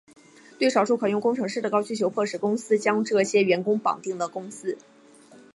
对少数可用工程师的高需求迫使公司将这些员工绑定到公司。